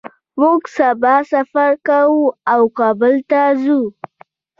موږ سبا سفر کوو او کابل ته ځو